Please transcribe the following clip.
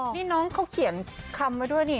นี่น้องเขาเขียนคำมาด้วยนี่